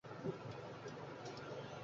কাকীমা কইল, কারে কারে কইবি?